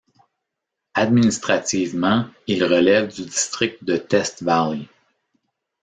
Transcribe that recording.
Administrativement, il relève du district de Test Valley.